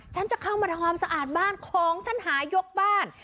ฉันจะเข้ามาทำความสะอาดบ้านของฉันหายกบ้าน